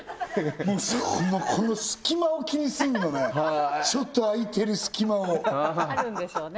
もうこの隙間を気にすんのねちょっと開いてる隙間をあるんでしょうね